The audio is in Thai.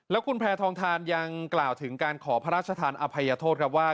แล้วคุณแพทองทานยังกล่าวถึงการขอพระราชทานอภัยโทษครับว่า